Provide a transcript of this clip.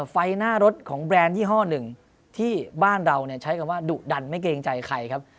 ไฟหน้ารถของแบรนด์ยี่ห้อหนึ่งที่บ้านเราใช้คำว่าดุดันไม่เกรงใจใครครับ